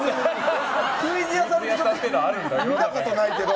クイズ屋さんって見たことないけど。